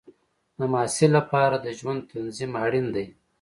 د محصل لپاره د ژوند تنظیم اړین دی.